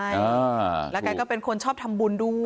อ่าแล้วแกก็เป็นคนชอบทำบุญด้วย